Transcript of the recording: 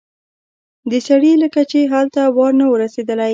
د سړي لکه چې هلته وار نه و رسېدلی.